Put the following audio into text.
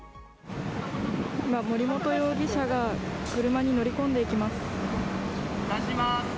今、森本容疑者が車に乗り込んでいます。